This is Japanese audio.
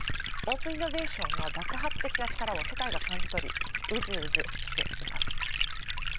オープンイノベーションの爆発的な力を世界が感じ取りうずうずしています。